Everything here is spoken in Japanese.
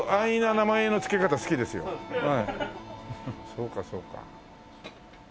そうかそうか。